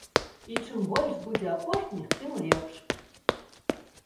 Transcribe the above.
І чым больш будзе апошніх, тым лепш.